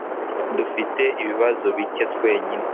Dufite ibibazo bike twenyine.